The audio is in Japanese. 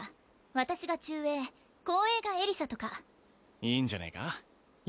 私が中衛後衛がエリサとかいいんじゃねえかいや